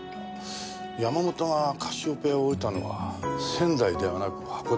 山本がカシオペアを降りたのは仙台ではなく函館だった。